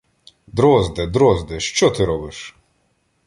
- Дрозде, Дрозде, що ти робиш?